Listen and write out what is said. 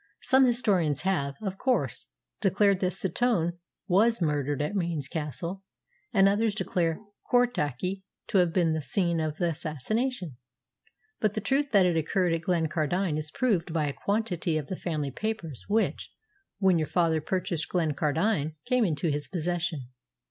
"Some historians have, of course, declared that Setoun was murdered at Mains Castle, and others declare Cortachy to have been the scene of the assassination; but the truth that it occurred at Glencardine is proved by a quantity of the family papers which, when your father purchased Glencardine, came into his possession.